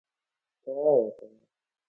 گوتی کە حەزی لە مەلەکردنە.